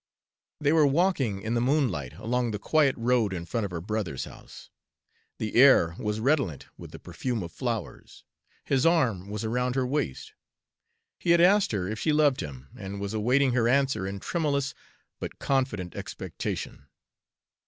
They were walking in the moonlight, along the quiet road in front of her brother's house. The air was redolent with the perfume of flowers. His arm was around her waist. He had asked her if she loved him, and was awaiting her answer in tremulous but confident expectation.